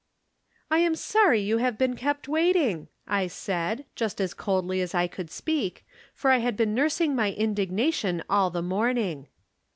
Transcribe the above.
" I am sorry you have been kept waiting," I said, just as coldly as I could speak, for I had been nursing my indignation all the morning.